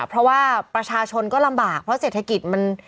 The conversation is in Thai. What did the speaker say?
เพราะว่าประชาชนก็ลำบากเพราะเศรษฐกิจมัน